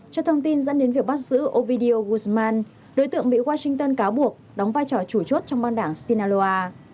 trước thông tin dẫn đến việc bắt giữ ovidio guzman đối tượng bị washington cáo buộc đóng vai trò chủ chốt trong bang đảng sinaloa